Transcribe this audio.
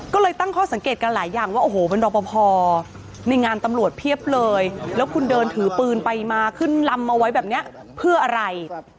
ก็เลยตั้งข้อสังเกตกันหลายอย่างว่าโอ้โหเป็นรอปภในงานตำรวจเพียบเลยแล้วคุณเดินถือปืนไปมาขึ้นลำเอาไว้แบบนี้เพื่ออะไร